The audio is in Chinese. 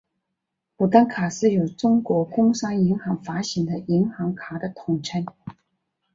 牡丹卡是由中国工商银行发行的银行卡的统称。